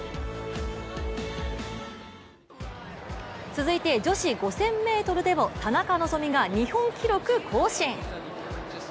続いて女子５０００ｍでも田中希実が日本記録更新。